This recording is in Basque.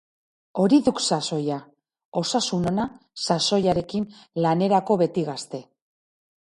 Hori duk sasoia! Osasun ona, sasoiarekin, lanerako beti gazte.